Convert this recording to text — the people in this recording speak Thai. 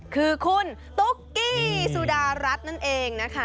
คือคุณตุ๊กกี้สุดารัฐนั่นเองนะคะ